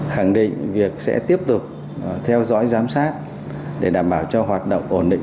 khẳng định việc sẽ tiếp tục theo dõi giám sát để đảm bảo cho hoạt động ổn định